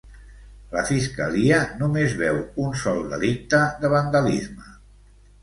La Fiscalia només veu un sol delicte de vandalisme.